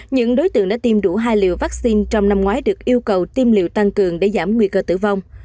những đối tượng đã tiêm đủ hai liều vaccine trong năm ngoái được yêu cầu tiêm liệu tăng cường để giảm nguy cơ tử vong